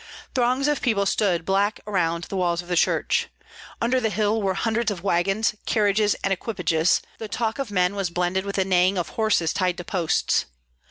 Throngs of people stood black around the walls of the church. Under the hill were hundreds of wagons, carriages, and equipages; the talk of men was blended with the neighing of horses tied to posts.